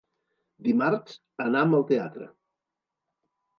Dimarts anam al teatre.